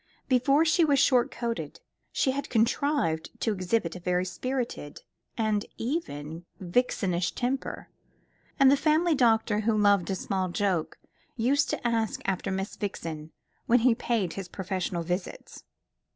Before she was short coated, she had contrived to exhibit a very spirited, and even vixenish temper, and the family doctor, who loved a small joke, used to ask after Miss Vixen when he paid his professional visits.